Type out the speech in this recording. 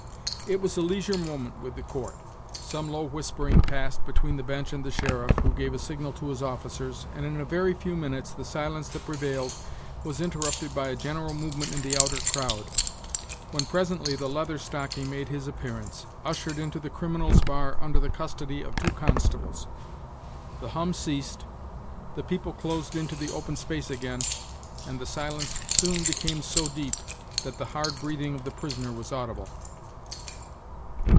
It was a leisure moment with the court; some low whispering passed between the bench and the sheriff, who gave a signal to his officers, and in a very few minutes the silence that prevailed was interrupted by a general movement in the outer crowd, when presently the Leather Stocking made his appearance, ushered into the criminal's bar under the custody of two constables, The hum ceased, the people closed into the open space again, and the silence soon became so deep that the hard breathing of the prisoner was audible.